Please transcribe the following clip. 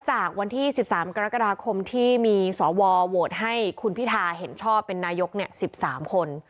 จากวันที่๑๓กรกฎาคมที่มีสวโหวตให้คุณพิธาเห็นชอบเป็นนายก๑๓คน